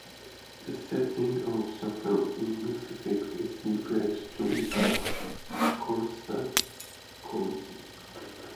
The setting of the film in Mississippi is referred to as Colusa County.